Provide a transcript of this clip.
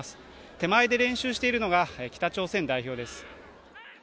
手前で練習しているのが北朝鮮代表です。